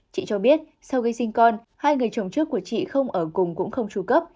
chị cho biết sau khi sinh con hai người chồng trước của chị không ở cùng cũng không tru cấp